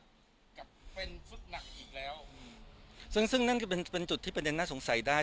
กลับเป็นฟุตหนักอีกแล้วอืมซึ่งซึ่งนั่นก็เป็นเป็นจุดที่ประเด็นน่าสงสัยได้